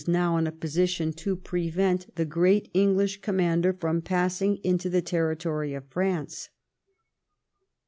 45 now in the position to prevent the great English commander from passing into the territory of France.